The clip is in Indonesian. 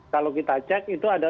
kalau kita cek itu ada